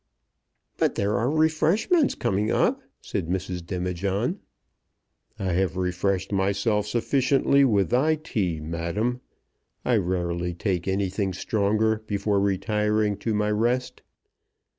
"But there are refreshments coming up," said Mrs. Demijohn. "I have refreshed myself sufficiently with thy tea, madam. I rarely take anything stronger before retiring to my rest.